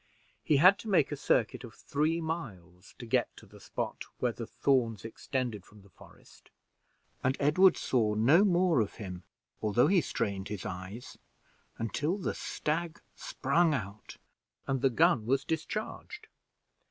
He had to make a circuit of three miles to get to the spot where the thorns extended from the forest, and Edward saw no more of him, although he strained his eyes, until the stag sprung out, and the gun was discharged.